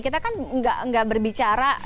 kita kan gak berbicara